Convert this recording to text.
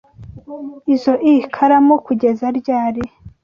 Izoi karamu kugeza ryari?